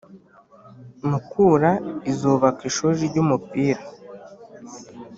Mukura izubaka Ishuri ry’Umupira